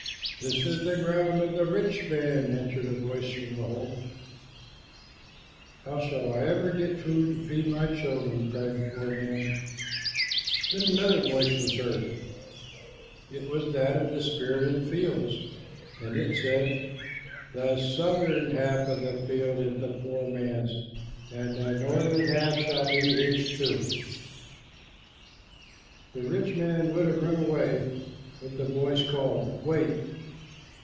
"This is the ground of the rich man," answered a voice from the hole. "How shall I ever get food for my children!" cried the poor man. Then another voice was heard. It was that of the spirit of the fields, and it said, "The southern half of the field is the poor man's, and the northern half shall be his too." The rich man would have run away, but the voice called, "Wait.